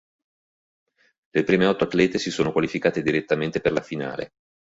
Le prime otto atlete si sono qualificate direttamente per la finale.